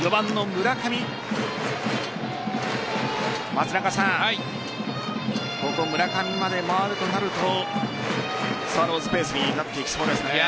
村上まで回るとなるとスワローズペースになっていきそうですね。